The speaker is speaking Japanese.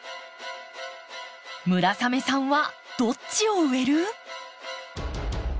村雨さんはどっちを植える？